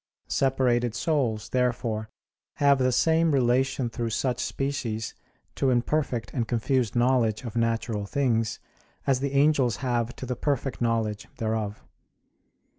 Separated souls, therefore, have the same relation through such species to imperfect and confused knowledge of natural things as the angels have to the perfect knowledge thereof.